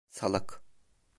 Salak.